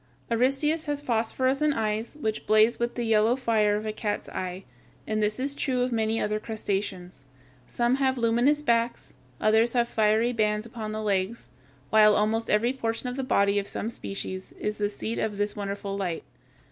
Aristeus has phosphorescent eyes, which blaze with the yellow fire of a cat's eye, and this is true of many other crustaceans. Some have luminous backs; others have fiery bands upon the legs, while almost every portion of the body of some species is the seat of this wonderful light.